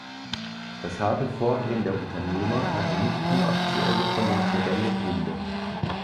Das harte Vorgehen der Unternehmer hatte nicht nur aktuelle konjunkturelle Gründe.